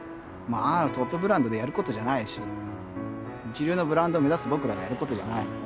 あんなのトップブランドでやることじゃないし一流のブランドを目指す僕らがやることじゃない。